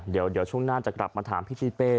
เดี๋ยวช่วงหน้าจะกลับมาถามพี่ทิศเป้